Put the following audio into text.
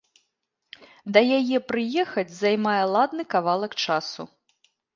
Да яе прыехаць займае ладны кавалак часу.